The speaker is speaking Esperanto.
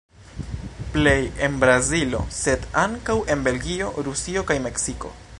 Plej en Brazilo, sed ankaŭ en Belgio, Rusio kaj Meksiko.